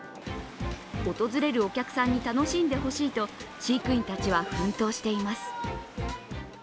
訪れるお客さんに楽しんでほしいと飼育員たちは奮闘しています。